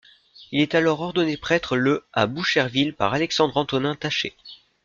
Il est alors ordonné prêtre le à Boucherville par Alexandre-Antonin Taché.